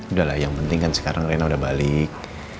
udah lah yang penting kan sekarang rena udah balik